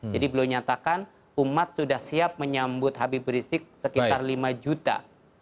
jadi beliau nyatakan umat sudah siap menyambut habib rizik sekitar lima juta